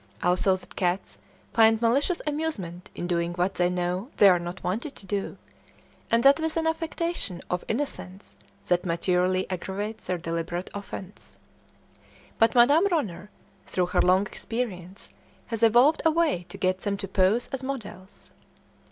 Also that cats find malicious amusement in doing what they know they are not wanted to do, and that with an affectation of innocence that materially aggravates their deliberate offence. But Madame Ronner, through her long experience, has evolved a way to get them to pose as models.